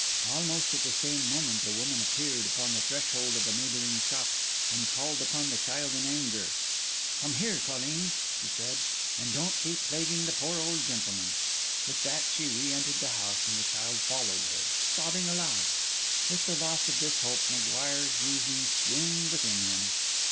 Almost at the same moment a woman appeared upon the threshold of a neighbouring shop, and called upon the child in anger. 'Come here, colleen,' she said, 'and don't be plaguing the poor old gentleman!' With that she re entered the house, and the child followed her, sobbing aloud. With the loss of this hope M'Guire's reason swooned within him.